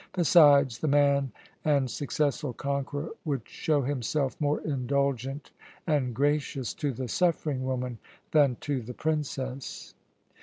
Besides, the man and successful conqueror would show himself more indulgent and gracious to the suffering woman than to the princess.